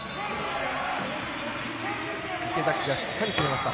池崎がしっかり取りました。